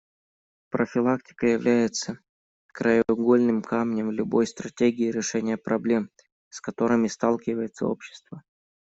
Профилактика является краеугольным камнем любой стратегии решения проблем, с которыми сталкивается общество.